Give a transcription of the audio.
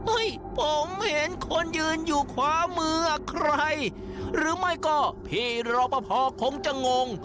ผมเห็นคนยืนอยู่ขวามือใครหรือไม่ก็พี่รอปภคงจะงง